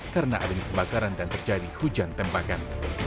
karena ada kebakaran dan terjadi hujan tempakan